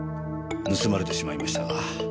盗まれてしまいましたが。